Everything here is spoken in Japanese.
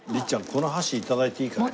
この箸頂いていいかな？